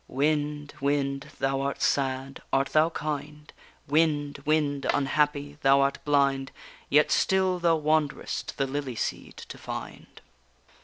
_Wind, wind! thou art sad, art thou kind? Wind, wind, unhappy! thou art blind, Yet still thou wanderest the lily seed to find.